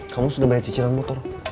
kamu sudah bayar cicilan motor